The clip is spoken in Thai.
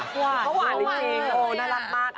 เขาหวานจริงโอ้น่ารักมาก